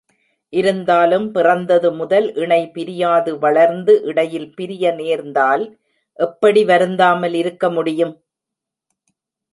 இருந்தாலும் பிறந்தது முதல் இணை பிரியாது வளர்ந்து, இடையில் பிரிய நேர்ந்தால் எப்படி வருந்தாமல் இருக்க முடியும்?